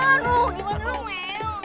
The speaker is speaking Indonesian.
aduh gimana dong mel